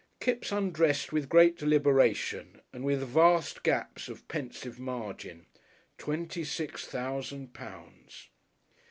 Kipps undressed with great deliberation, and with vast gaps of pensive margin. Twenty six thousand pounds!